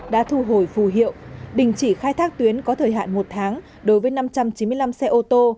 đã thu hồi phù hiệu đình chỉ khai thác tuyến có thời hạn một tháng đối với năm trăm chín mươi năm xe ô tô